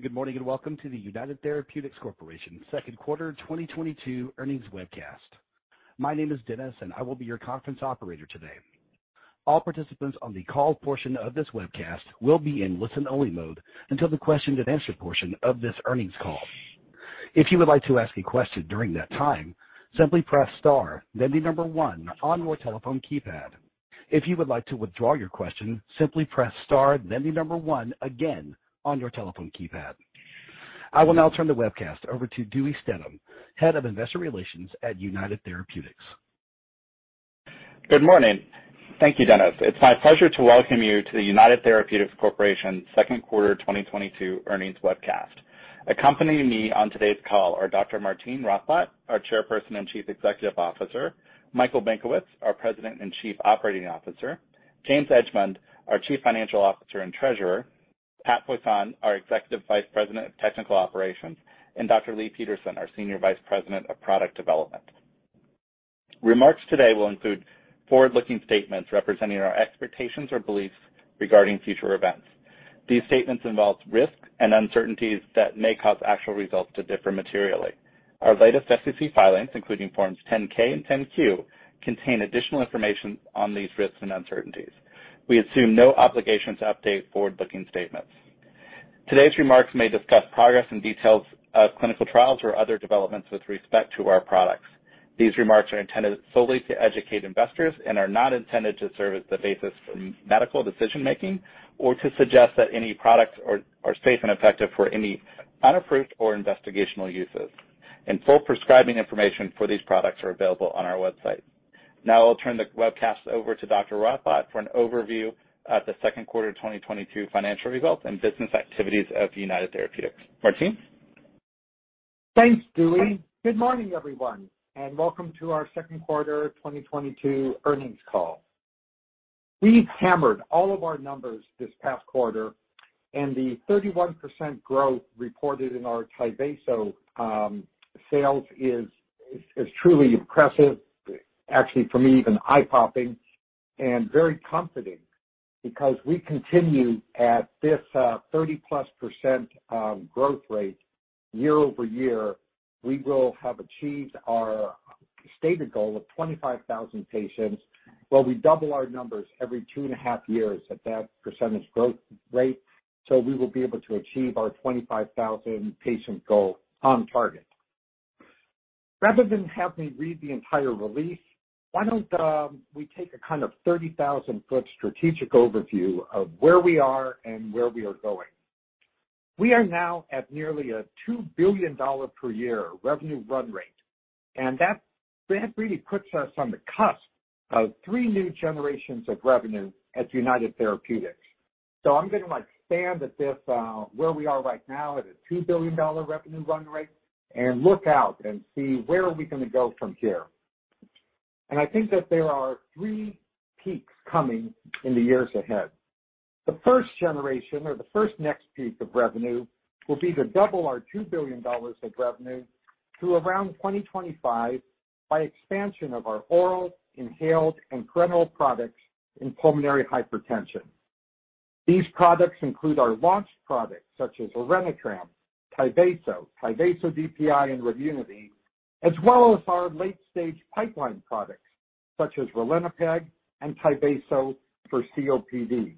Good morning, and welcome to the United Therapeutics Corporation second quarter 2022 earnings webcast. My name is Dennis, and I will be your conference operator today. All participants on the call portion of this webcast will be in listen-only mode until the question and answer portion of this earnings call. If you would like to ask a question during that time, simply press star, then the number one on your telephone keypad. If you would like to withdraw your question, simply press star, then the number one again on your telephone keypad. I will now turn the webcast over to Dewey Steadman, Head of Investor Relations at United Therapeutics. Good morning. Thank you, Dennis. It's my pleasure to welcome you to the United Therapeutics Corporation second quarter 2022 earnings webcast. Accompanying me on today's call are Dr. Martine Rothblatt, our Chairperson and Chief Executive Officer, Michael Benkowitz, our President and Chief Operating Officer, James Edgemond, our Chief Financial Officer and Treasurer, Pat Poisson, our Executive Vice President of Technical Operations, and Dr. Leigh Peterson, our Senior Vice President of Product Development. Remarks today will include forward-looking statements representing our expectations or beliefs regarding future events. These statements involve risks and uncertainties that may cause actual results to differ materially. Our latest SEC filings, including Forms 10-K and 10-Q, contain additional information on these risks and uncertainties. We assume no obligation to update forward-looking statements. Today's remarks may discuss progress and details of clinical trials or other developments with respect to our products. These remarks are intended solely to educate investors and are not intended to serve as the basis for medical decision-making or to suggest that any products are safe and effective for any unapproved or investigational uses. Full prescribing information for these products are available on our website. Now I'll turn the webcast over to Dr. Rothblatt for an overview of the second quarter 2022 financial results and business activities of United Therapeutics. Martine? Thanks, Dewey. Good morning, everyone, and welcome to our second quarter 2022 earnings call. We hammered all of our numbers this past quarter, and the 31% growth reported in our TYVASO sales is truly impressive, actually for me even eye-popping, and very comforting because we continue at this 30%+ growth rate year-over-year. We will have achieved our stated goal of 25,000 patients while we double our numbers every two and a half years at that percentage growth rate, so we will be able to achieve our 25,000 patient goal on target. Rather than have me read the entire release, why don't we take a kind of 30,000-foot strategic overview of where we are and where we are going? We are now at nearly a $2 billion per year revenue run rate, and that really puts us on the cusp of three new generations of revenue at United Therapeutics. I'm gonna like stand at this, where we are right now at a $2 billion revenue run rate and look out and see where are we gonna go from here. I think that there are three peaks coming in the years ahead. The first generation or the first next peak of revenue will be to double our $2 billion of revenue through around 2025 by expansion of our oral, inhaled, and parenteral products in pulmonary hypertension. These products include our launched products such as Orenitram, TYVASO, TYVASO DPI, and Remunity, as well as our late-stage pipeline products such as ralinepag and TYVASO for COPD.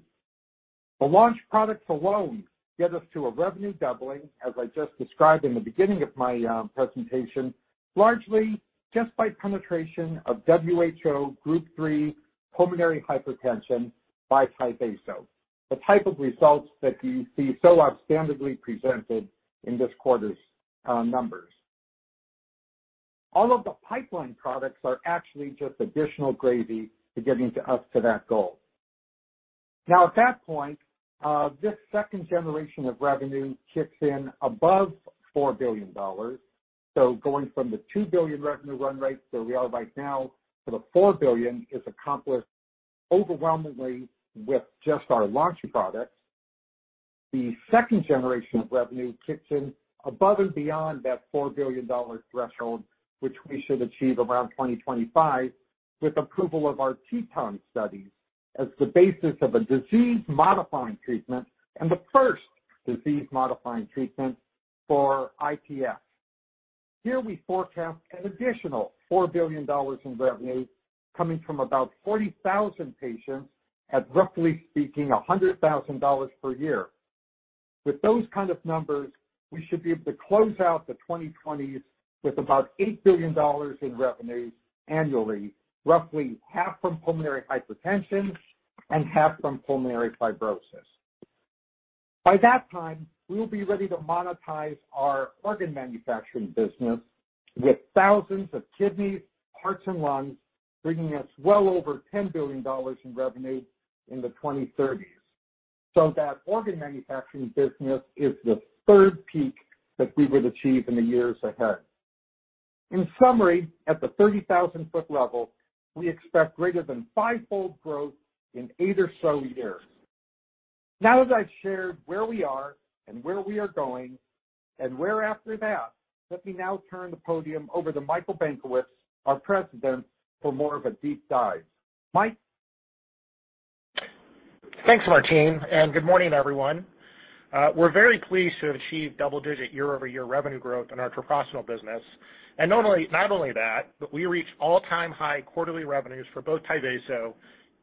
The launched products alone get us to a revenue doubling, as I just described in the beginning of my presentation, largely just by penetration of WHO Group 3 pulmonary hypertension by TYVASO, the type of results that you see so outstandingly presented in this quarter's numbers. All of the pipeline products are actually just additional gravy to getting us to that goal. Now, at that point, this second generation of revenue kicks in above $4 billion. Going from the $2 billion revenue run rate where we are right now to the $4 billion is accomplished overwhelmingly with just our launched products. The second generation of revenue kicks in above and beyond that $4 billion threshold, which we should achieve around 2025, with approval of our TETON studies as the basis of a disease-modifying treatment and the first disease-modifying treatment for IPF. Here we forecast an additional $4 billion in revenue coming from about 40,000 patients at, roughly speaking, $100,000 per year. With those kind of numbers, we should be able to close out the 2020s with about $8 billion in revenue annually, roughly half from pulmonary hypertension and half from pulmonary fibrosis. By that time, we will be ready to monetize our organ manufacturing business with thousands of kidneys, hearts, and lungs, bringing us well over $10 billion in revenue in the 2030s. That organ manufacturing business is the third peak that we would achieve in the years ahead. In summary, at the 30,000 ft level, we expect greater than fivefold growth in eight or so years. Now that I've shared where we are and where we are going, and after that, let me now turn the podium over to Michael Benkowitz, our President, for more of a deep dive. Mike? Thanks, Martine. Good morning, everyone. We're very pleased to have achieved double-digit year-over-year revenue growth in our Treprostinil business. Normally, not only that, but we reached all-time high quarterly revenues for both TYVASO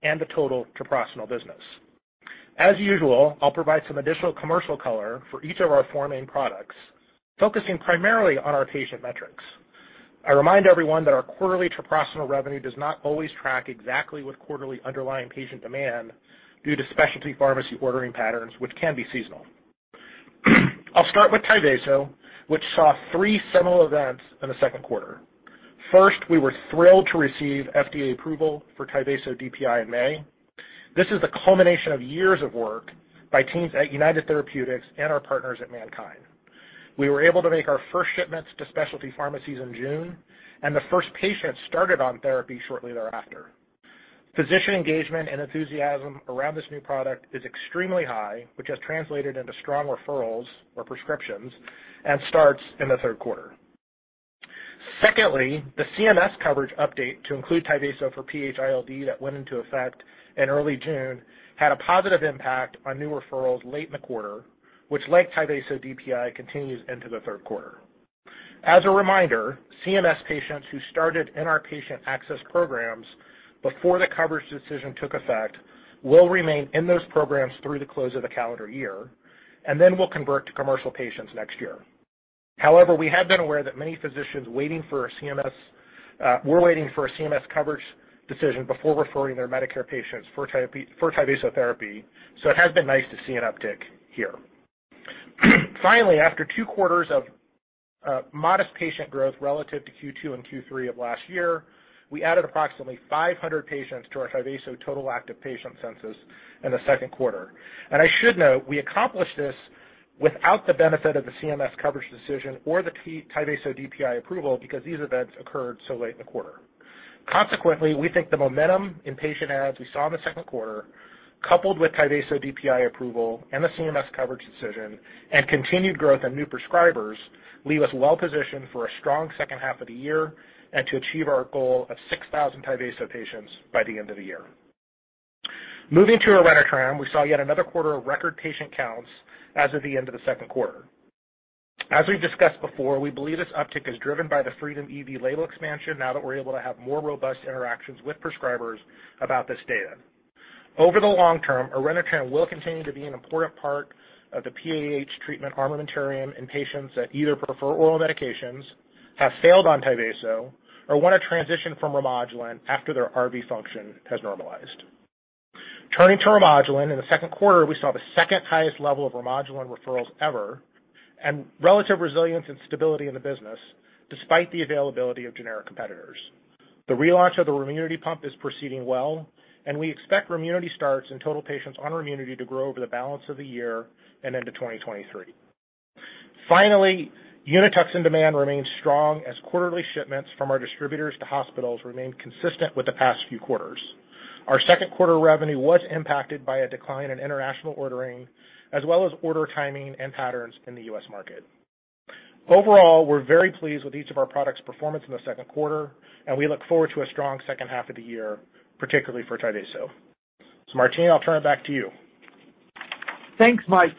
and the total Treprostinil business. As usual, I'll provide some additional commercial color for each of our four main products, focusing primarily on our patient metrics. I remind everyone that our quarterly Treprostinil revenue does not always track exactly with quarterly underlying patient demand due to specialty pharmacy ordering patterns, which can be seasonal. I'll start with TYVASO, which saw three seminal events in the second quarter. First, we were thrilled to receive FDA approval for TYVASO DPI in May. This is the culmination of years of work by teams at United Therapeutics and our partners at MannKind. We were able to make our first shipments to specialty pharmacies in June, and the first patients started on therapy shortly thereafter. Physician engagement and enthusiasm around this new product is extremely high, which has translated into strong referrals or prescriptions and starts in the third quarter. Secondly, the CMS coverage update to include TYVASO for PH-ILD that went into effect in early June had a positive impact on new referrals late in the quarter, which like TYVASO DPI, continues into the third quarter. As a reminder, CMS patients who started in our patient access programs before the coverage decision took effect will remain in those programs through the close of the calendar year and then will convert to commercial patients next year. However, we have been aware that many physicians were waiting for a CMS coverage decision before referring their Medicare patients for TYVASO. for TYVASO therapy, so it has been nice to see an uptick here. Finally, after two quarters of modest patient growth relative to Q2 and Q3 of last year, we added approximately 500 patients to our TYVASO total active patient census in the second quarter. I should note, we accomplished this without the benefit of the CMS coverage decision or the TYVASO DPI approval because these events occurred so late in the quarter. Consequently, we think the momentum in patient adds we saw in the second quarter, coupled with TYVASO DPI approval and the CMS coverage decision and continued growth in new prescribers leave us well positioned for a strong second half of the year and to achieve our goal of 6,000 TYVASO patients by the end of the year. Moving to Orenitram, we saw yet another quarter of record patient counts as of the end of the second quarter. As we've discussed before, we believe this uptick is driven by the FREEDOM-EV label expansion now that we're able to have more robust interactions with prescribers about this data. Over the long term, Orenitram will continue to be an important part of the PAH treatment armamentarium in patients that either prefer oral medications, have failed on TYVASO, or want to transition from Remodulin after their RV function has normalized. Turning to Remodulin, in the second quarter, we saw the second highest level of Remodulin referrals ever and relative resilience and stability in the business despite the availability of generic competitors. The relaunch of the Remunity pump is proceeding well, and we expect Remunity starts and total patients on Remunity to grow over the balance of the year and into 2023. Finally, Unituxin demand remains strong as quarterly shipments from our distributors to hospitals remain consistent with the past few quarters. Our second quarter revenue was impacted by a decline in international ordering as well as order timing and patterns in the U.S. market. Overall, we're very pleased with each of our products' performance in the second quarter, and we look forward to a strong second half of the year, particularly for TYVASO. Martine, I'll turn it back to you. Thanks, Mike.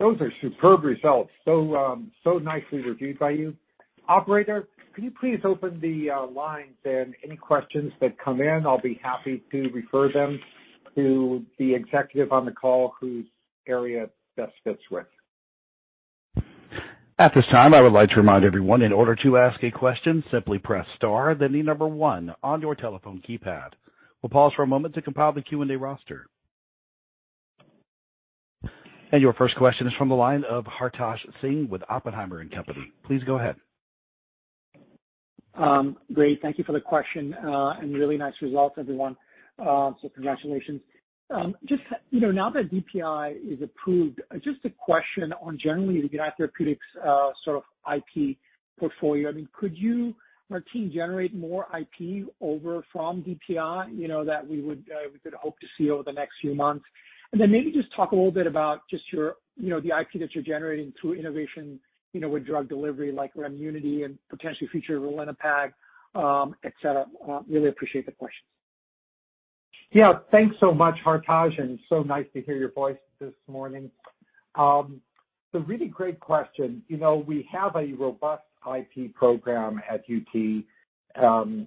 Those are superb results, so nicely reviewed by you. Operator, can you please open the lines? Any questions that come in, I'll be happy to refer them to the executive on the call whose area it best fits with. At this time, I would like to remind everyone in order to ask a question, simply press star then the number one on your telephone keypad. We'll pause for a moment to compile the Q&A roster. Your first question is from the line of Hartaj Singh with Oppenheimer & Co. Inc. Please go ahead. Great. Thank you for the question, and really nice results, everyone. So congratulations. Just, you know, now that DPI is approved, just a question on generally the United Therapeutics, sort of IP portfolio. I mean, could you, Martine, generate more IP over from DPI, you know, that we would, we could hope to see over the next few months? And then maybe just talk a little bit about just your, you know, the IP that you're generating through innovation, you know, with drug delivery like Remunity and potentially future ralinepag, et cetera. Really appreciate the questions. Yeah. Thanks so much, Hartaj, and so nice to hear your voice this morning. It's a really great question. You know, we have a robust IP program at UT.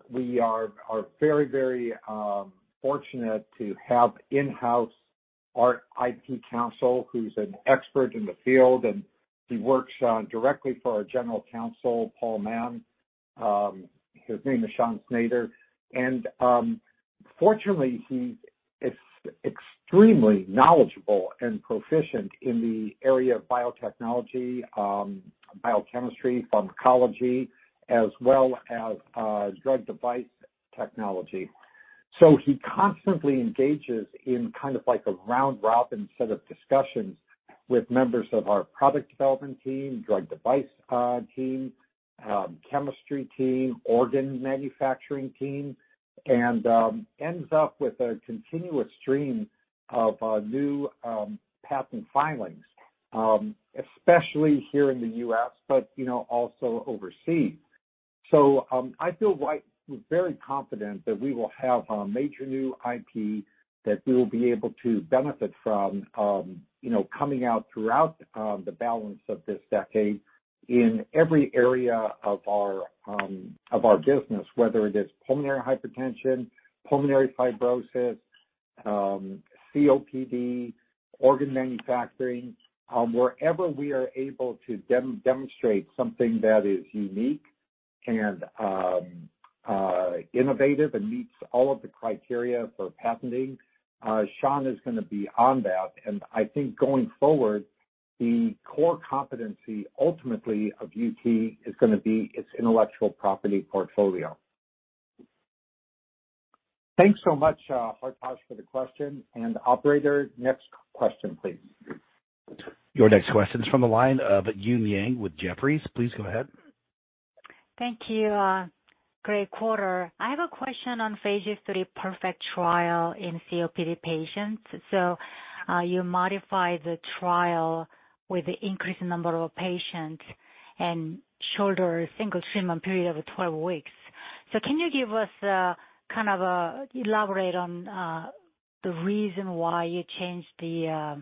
We are very, very fortunate to have in-house our IP counsel, who's an expert in the field, and he works directly for our general counsel, Paul A. Mahon. His name is Sean Snyder. Fortunately, he's extremely knowledgeable and proficient in the area of biotechnology, biochemistry, pharmacology, as well as drug device technology. He constantly engages in kind of like a round robin set of discussions with members of our product development team, drug device team, chemistry team, organ manufacturing team, and ends up with a continuous stream of new patent filings, especially here in the U.S., but you know, also overseas. I feel very confident that we will have a major new IP that we will be able to benefit from, you know, coming out throughout the balance of this decade in every area of our business, whether it is pulmonary hypertension, pulmonary fibrosis, COPD, organ manufacturing. Wherever we are able to demonstrate something that is unique and innovative and meets all of the criteria for patenting, Sean is gonna be on that. I think going forward, the core competency ultimately of UT is gonna be its intellectual property portfolio. Thanks so much, Hartaj, for the question. Operator, next question, please. Your next question is from the line of Yun Zhong with Jefferies. Please go ahead. Thank you. Great quarter. I have a question on phase III PERFECT trial in COPD patients. You modified the trial with the increased number of patients and shorter single treatment period of 12 weeks. Can you give us kind of elaborate on the reason why you changed the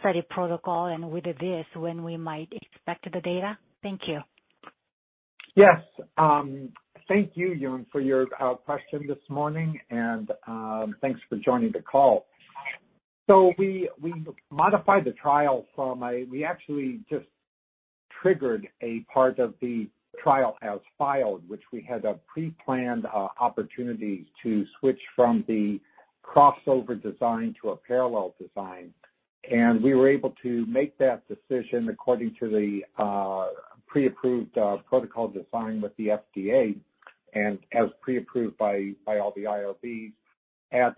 study protocol and with this, when we might expect the data? Thank you. Yes. Thank you, Yun, for your question this morning, and thanks for joining the call. We modified the trial. We actually just triggered a part of the trial as filed, which we had a preplanned opportunity to switch from the crossover design to a parallel design. We were able to make that decision according to the pre-approved protocol design with the FDA and as pre-approved by all the IRBs at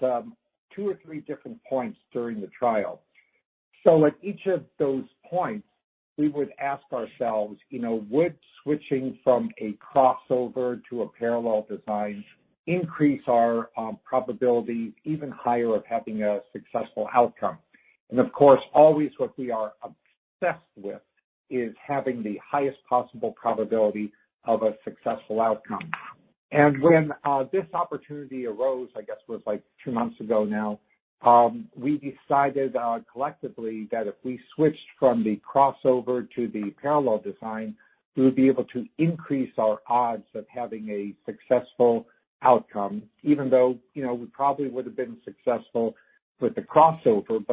two or three different points during the trial. At each of those points, we would ask ourselves, you know, would switching from a crossover to a parallel design increase our probability even higher of having a successful outcome? Of course, always what we are obsessed with is having the highest possible probability of a successful outcome. When this opportunity arose, I guess it was like two months ago now, we decided collectively that if we switched from the crossover to the parallel design, we would be able to increase our odds of having a successful outcome, even though, you know, we probably would have been successful with the crossover.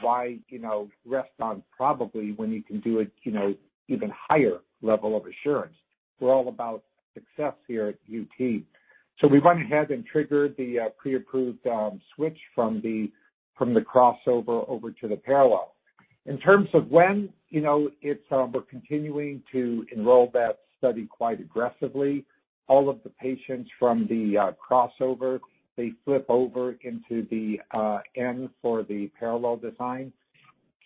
Why, you know, rest on probably when you can do it, you know, even higher level of assurance. We're all about success here at UT. We went ahead and triggered the pre-approved switch from the crossover over to the parallel. In terms of when, you know, it's we're continuing to enroll that study quite aggressively. All of the patients from the crossover, they flip over into the N for the parallel design.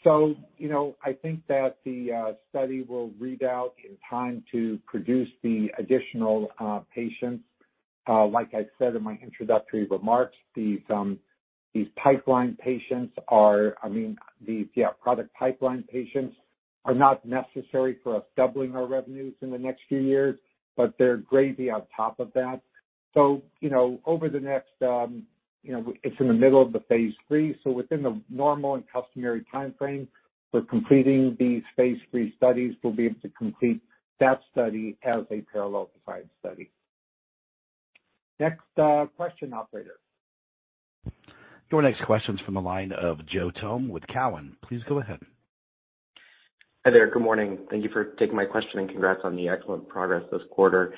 You know, I think that the study will read out in time to produce the additional patients. Like I said in my introductory remarks, these pipeline patients are, I mean, the product pipeline patients are not necessary for us doubling our revenues in the next few years, but they're gravy on top of that. You know, over the next, you know, it's in the middle of the phase III, so within the normal and customary time frame for completing these phase III studies, we'll be able to complete that study as a parallel design study. Next question, operator. Your next question is from the line of Joseph Thome with Cowen. Please go ahead. Hi there. Good morning. Thank you for taking my question and congrats on the excellent progress this quarter.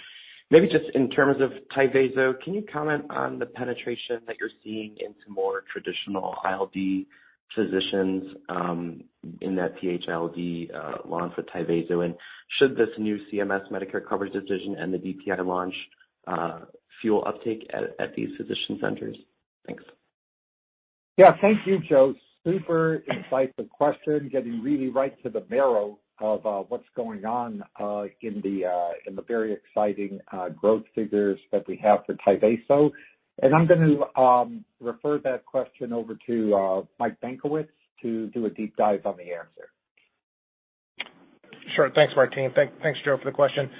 Maybe just in terms of TYVASO, can you comment on the penetration that you're seeing into more traditional ILD physicians in that PH-ILD launch with TYVASO? And should this new CMS Medicare coverage decision and the DPI launch fuel uptake at these physician centers? Thanks. Yeah. Thank you, Joe. Super insightful question, getting really right to the marrow of what's going on in the very exciting growth figures that we have for TYVASO. I'm gonna refer that question over to Michael Benkowitz to do a deep dive on the answer. Sure. Thanks, Martine. Thanks, Joe for the question.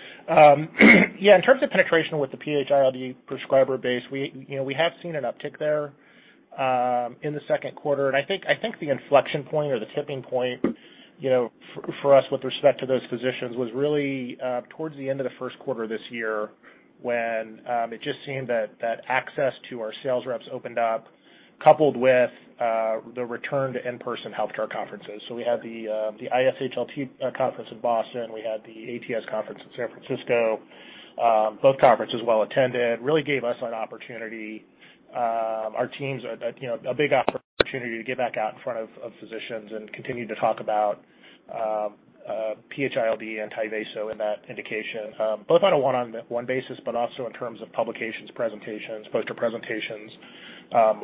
Yeah, in terms of penetration with the PH-ILD prescriber base, we, you know, we have seen an uptick there, in the second quarter. I think the inflection point or the tipping point, you know, for us with respect to those physicians was really towards the end of the first quarter this year when it just seemed that access to our sales reps opened up, coupled with the return to in-person healthcare conferences. We had the ISHLT conference in Boston. We had the ATS conference in San Francisco. Both conferences well attended, really gave us an opportunity, our teams a big opportunity to get back out in front of physicians and continue to talk about PH-ILD and TYVASO in that indication, both on a one on one basis, but also in terms of publications, presentations, poster presentations.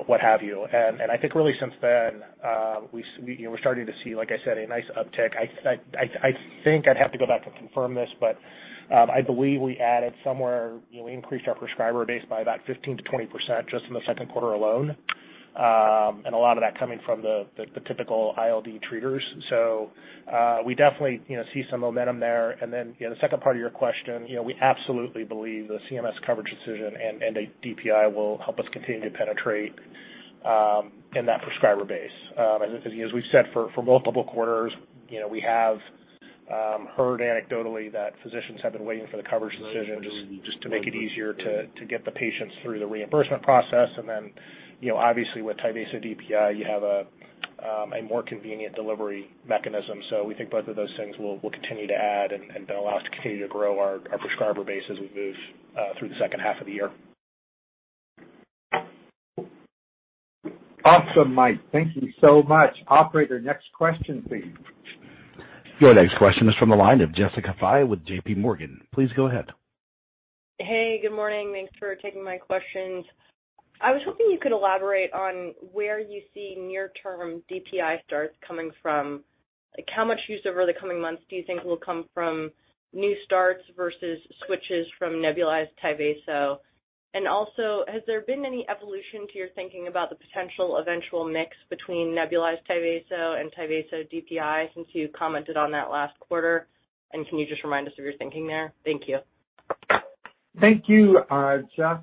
What have you. I think really since then, we know, we're starting to see, like I said, a nice uptick. I think I'd have to go back and confirm this, but I believe we added somewhere. You know, we increased our prescriber base by about 15%-20% just in the second quarter alone. And a lot of that coming from the typical ILD treaters. We definitely, you know, see some momentum there. you know, the second part of your question, you know, we absolutely believe the CMS coverage decision and a DPI will help us continue to penetrate in that prescriber base. As you know, as we've said for multiple quarters, you know, we have heard anecdotally that physicians have been waiting for the coverage decision just to make it easier to get the patients through the reimbursement process. you know, obviously with TYVASO DPI, you have a more convenient delivery mechanism. We think both of those things will continue to add and allow us to continue to grow our prescriber base as we move through the second half of the year. Awesome, Mike. Thank you so much. Operator, next question, please. Your next question is from the line of Jessica Fye with JPMorgan. Please go ahead. Hey, good morning. Thanks for taking my questions. I was hoping you could elaborate on where you see near-term DPI starts coming from. Like, how much use over the coming months do you think will come from new starts versus switches from nebulized TYVASO? And also, has there been any evolution to your thinking about the potential eventual mix between nebulized TYVASO and TYVASO DPI since you commented on that last quarter? And can you just remind us of your thinking there? Thank you. Thank you, Jess.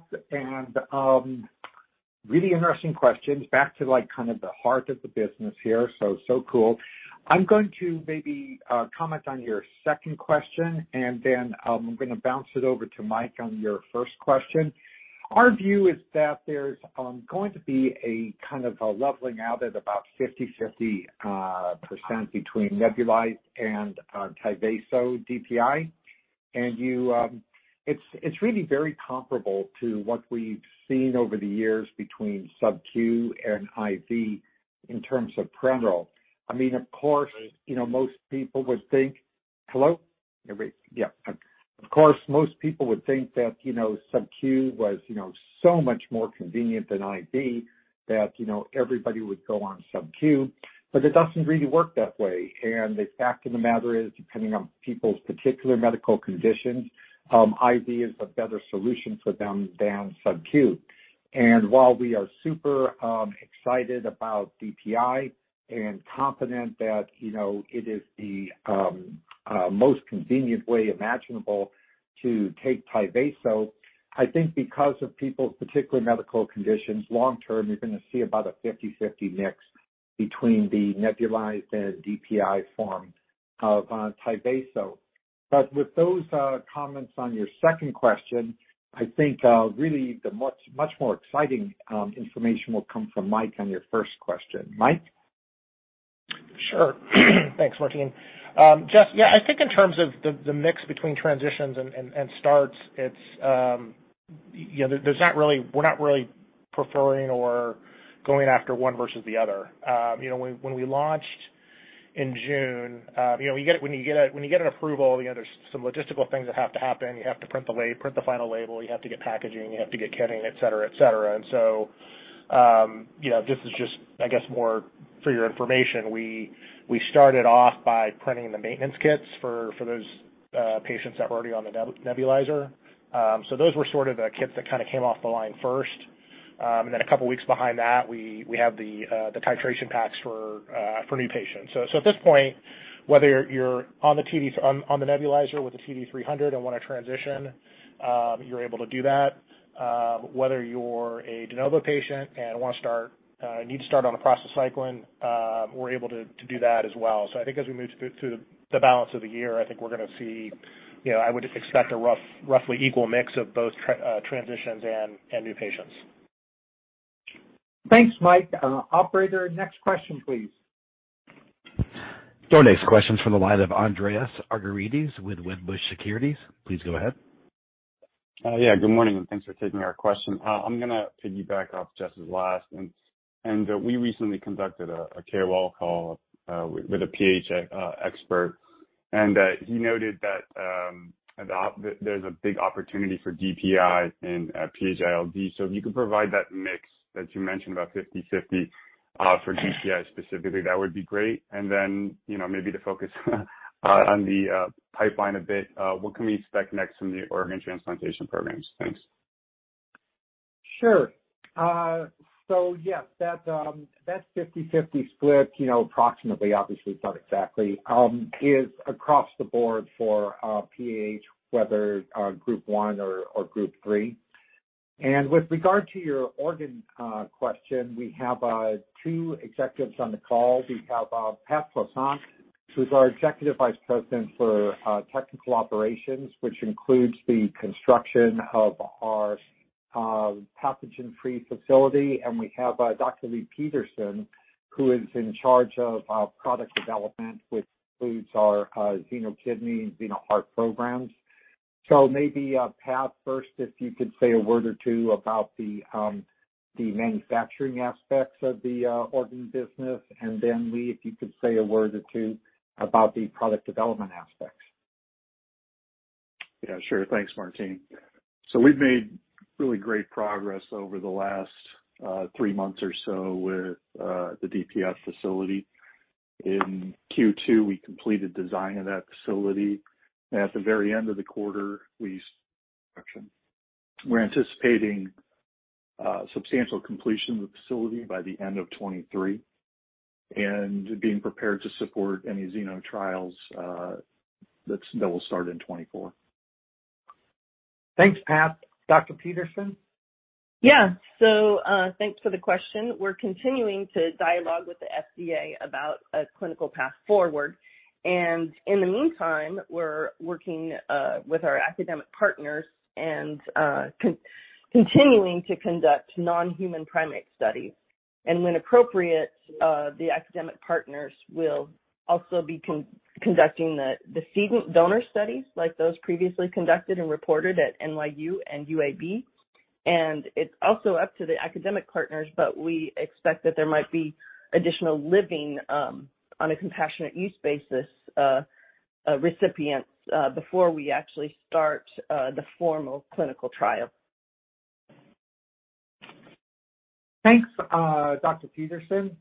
Really interesting questions back to like kind of the heart of the business here. Cool. I'm going to maybe comment on your second question, and then I'm gonna bounce it over to Mike on your first question. Our view is that there's going to be a kind of a leveling out at about 50/50% between nebulized and TYVASO DPI. It's really very comparable to what we've seen over the years between subQ and IV in terms of Remodulin. I mean, of course, you know, most people would think that, you know, subQ was, you know, so much more convenient than IV that, you know, everybody would go on subQ, but it doesn't really work that way. The fact of the matter is, depending on people's particular medical conditions, IV is a better solution for them than subQ. While we are super excited about DPI and confident that, you know, it is the most convenient way imaginable to take TYVASO, I think because of people's particular medical conditions, long term, you're gonna see about a 50/50 mix between the nebulized and DPI form of TYVASO. With those comments on your second question, I think really the much, much more exciting information will come from Mike on your first question. Mike. Sure. Thanks, Martine. Jess, yeah, I think in terms of the mix between transitions and starts, it's, you know, there's not really. We're not really preferring or going after one versus the other. You know, when we launched in June, you know, when you get an approval, you know, there's some logistical things that have to happen. You have to print the final label, you have to get packaging, you have to get kitting, et cetera. This is just, I guess, more for your information. We started off by printing the maintenance kits for those patients that were already on the nebulizer. So those were sort of the kits that kinda came off the line first. Then a couple weeks behind that, we have the titration packs for new patients. At this point, whether you're on the nebulizer with the TD-300 and want to transition, you're able to do that. Whether you're a de novo patient and need to start on a prostacyclin, we're able to do that as well. I think as we move through the balance of the year, I think we're going to see. You know, I would expect a roughly equal mix of both transitions and new patients. Thanks, Mike. Operator, next question, please. The next question is from the line of Andreas Argyrides with Wedbush Securities. Please go ahead. Yeah, good morning, and thanks for taking our question. I'm gonna piggyback off Jess's last. We recently conducted a KOL call with a PH expert, and he noted that there's a big opportunity for DPI in PAH ILD. If you could provide that mix that you mentioned about 50/50 for DPI specifically, that would be great. Then, you know, maybe to focus on the pipeline a bit, what can we expect next from the organ transplantation programs? Thanks. Sure. So, yeah, that 50/50 split, you know, approximately, obviously it's not exactly, is across the board for PAH, whether Group 1 or Group 3. With regard to your organ question, we have two executives on the call. We have Pat Poisson, who's our Executive Vice President for Technical Operations, which includes the construction of our pathogen-free facility. We have Dr. Leigh Peterson, who is in charge of product development, which includes our xenokidney and xenoheart programs. Maybe Pat, first, if you could say a word or two about the manufacturing aspects of the organ business. Then, Lee, if you could say a word or two about the product development aspects. Yeah, sure. Thanks, Martine. We've made really great progress over the last three months or so with the DPF facility. In Q2, we completed design of that facility. At the very end of the quarter, we're anticipating substantial completion of the facility by the end of 2023 and being prepared to support any xeno trials that will start in 2024. Thanks, Pat. Dr. Peterson? Yeah. Thanks for the question. We're continuing to dialogue with the FDA about a clinical path forward. In the meantime, we're working with our academic partners and continuing to conduct non-human primate studies. When appropriate, the academic partners will also be conducting the decedent donor studies like those previously conducted and reported at NYU and UAB. It's also up to the academic partners, but we expect that there might be additional living recipients on a compassionate use basis before we actually start the formal clinical trial. Thanks, Dr. Peterson.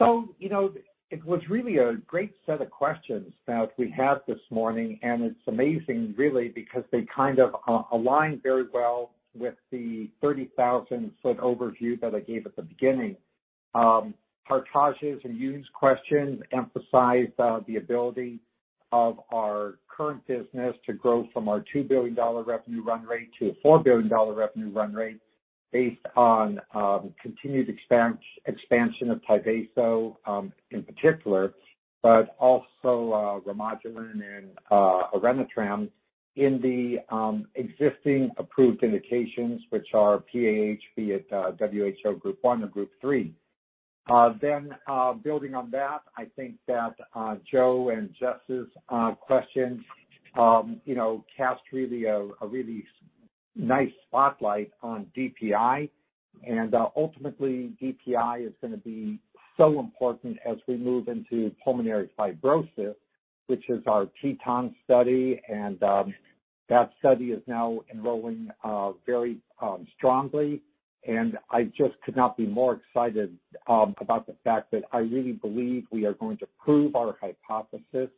You know, it was really a great set of questions that we had this morning, and it's amazing really because they kind of align very well with the 30,000 ft overview that I gave at the beginning. Hartaj's and Yun's questions emphasized the ability of our current business to grow from our $2 billion revenue run rate to a $4 billion revenue run rate based on continued expansion of TYVASO, in particular, but also Remodulin and Orenitram in the existing approved indications, which are PAH, be it WHO Group 1 or Group 3. Building on that, I think that Joe and Jess's questions, you know, cast a really nice spotlight on DPI. Ultimately DPI is gonna be so important as we move into pulmonary fibrosis, which is our TETON study and that study is now enrolling very strongly. I just could not be more excited about the fact that I really believe we are going to prove our hypothesis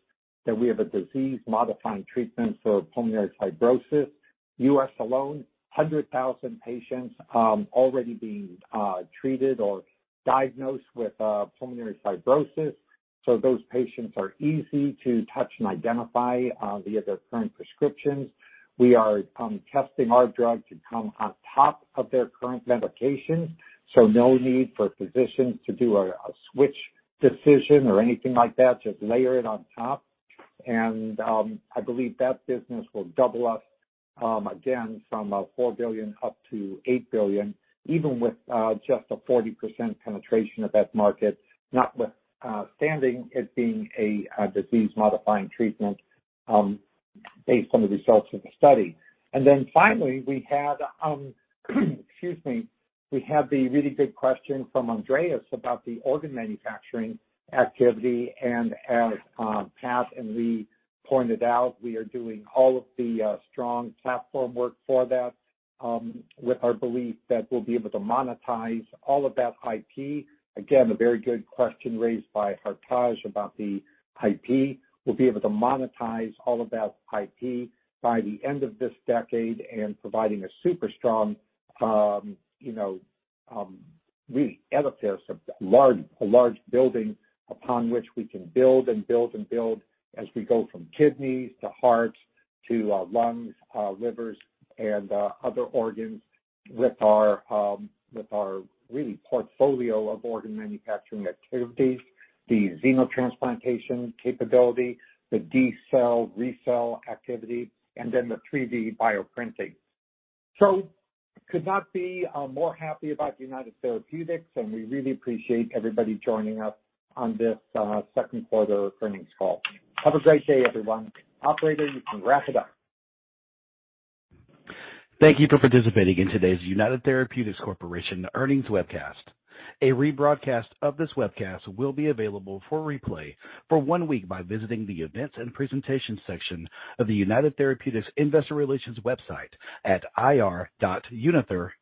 that we have a disease-modifying treatment for pulmonary fibrosis. US alone, 100,000 patients already being treated or diagnosed with pulmonary fibrosis, so those patients are easy to touch and identify via their current prescriptions. We are testing our drug to come on top of their current medications, so no need for physicians to do a switch decision or anything like that, just layer it on top. I believe that business will double in size again from $4 billion up to $8 billion, even with just a 40% penetration of that market, notwithstanding it being a disease-modifying treatment, based on the results of the study. Then finally, we had the really good question from Andreas about the organ manufacturing activity. As Pat and Leigh pointed out, we are doing all of the strong platform work for that, with our belief that we'll be able to monetize all of that IP. Again, a very good question raised by Hartaj about the IP. We'll be able to monetize all of that IP by the end of this decade and providing a super strong, you know. Real edifice, a large building upon which we can build and build and build as we go from kidneys to hearts to lungs, livers and other organs with our real portfolio of organ manufacturing activities, the xenotransplantation capability, the decellularization, recellularization activity, and then the 3D bioprinting. Could not be more happy about United Therapeutics, and we really appreciate everybody joining us on this second quarter earnings call. Have a great day, everyone. Operator, you can wrap it up. Thank you for participating in today's United Therapeutics Corporation Earnings Webcast. A rebroadcast of this webcast will be available for replay for one week by visiting the Events and Presentations section of the United Therapeutics Investor Relations website at ir.unither.com.